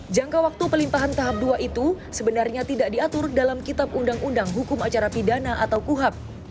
jangka waktu pelimpahan tahap dua itu sebenarnya tidak diatur dalam kitab undang undang hukum acara pidana atau kuhap